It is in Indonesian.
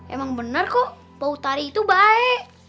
emang bener kok pau tari itu baik